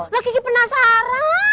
wah ki ki penasaran